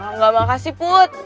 nggak makasih put